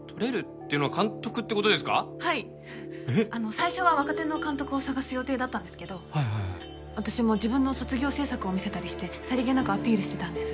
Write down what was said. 最初は若手の監督を探す予定だったんですけど私も自分の卒業制作を見せたりしてさりげなくアピールしてたんです。